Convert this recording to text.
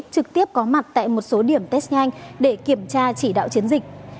trực tiếp có mặt tại một số điểm test nhanh để kiểm tra chỉ đạo chiến dịch